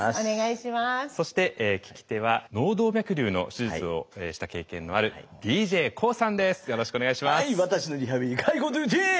そして聞き手は脳動脈りゅうの手術をした経験のあるＤＪＫＯＯさんです。